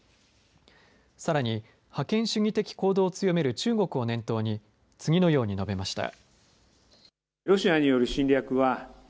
さらに覇権主義的行動を強める中国を念頭に、次のように述べました。